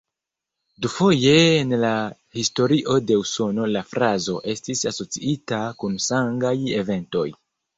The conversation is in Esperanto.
Dufoje en la historio de Usono la frazo estis asociita kun sangaj eventoj.